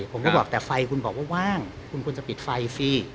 ผมก็บอกแต่ไฟคุณบอกว่าว่างคุณควรจะปิดไฟฟรี